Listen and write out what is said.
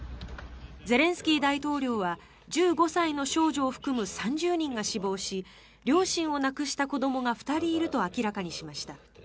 ゼレンスキー大統領は１５歳の少女を含む３０人が死亡し両親を亡くした子どもが２人いると明らかにしました。